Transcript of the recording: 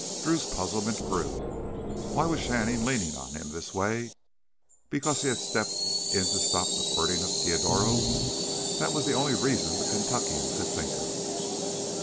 Drew's puzzlement grew. Why was Shannon leaning on him this way? Because he had stepped in to stop the quirting of Teodoro? That was the only reason the Kentuckian could think of.